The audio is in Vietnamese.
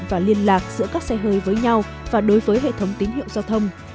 và liên lạc giữa các xe hơi với nhau và đối với hệ thống tín hiệu giao thông